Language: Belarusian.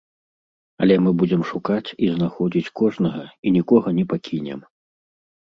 Але мы будзем шукаць і знаходзіць кожнага і нікога не пакінем.